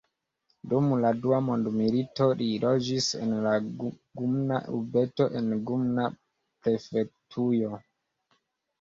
Dum la Dua Mondmilito, li loĝis en la Gunma-urbeto en Gunma-prefektujo.